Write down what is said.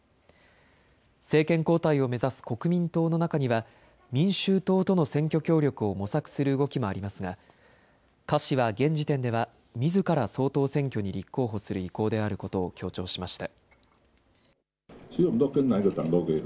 政権交代を目指す国民党の中には民衆党との選挙協力を模索する動きもありますが柯氏は現時点ではみずから総統選挙に立候補する意向であることを強調しました。